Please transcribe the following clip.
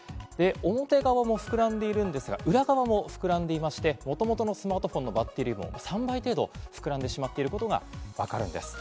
表側も膨らんでいるんですが、裏側も膨らんでいまして、もともとのスマートフォンのバッテリーの３倍程度膨らんでしまっていることがわかるんです。